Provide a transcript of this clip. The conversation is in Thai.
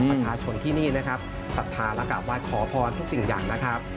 ประชาชนที่นี่นะครับสัตว์ธารกราบวาดขอพรทุกสิ่งอย่างนะครับ